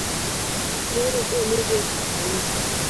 Nyoro be nidhii e kanisa?